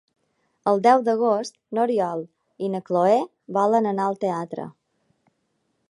El deu d'agost n'Oriol i na Cloè volen anar al teatre.